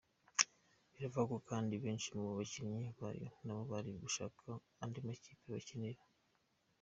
Biravugwa ko kandi benshi mu bakinnyi bayo nabo bari gushaka andi makipe bakinira.